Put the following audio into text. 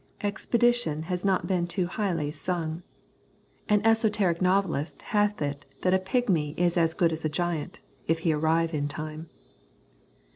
Expedition has not been too highly sung. An esoteric novelist hath it that a pigmy is as good as a giant if he arrive in time.